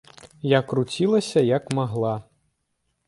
Я круцілася, як магла.